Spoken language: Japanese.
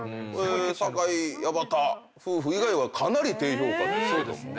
酒井・矢端夫婦以外はかなり低評価ですけども。